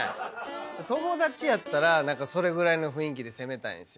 ⁉友達やったらそれぐらいの雰囲気で攻めたいんですよ。